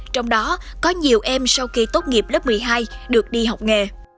trong đó có nhiều em sau khi tốt nghiệp lớp một mươi hai được đi học nghề